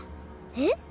えっ？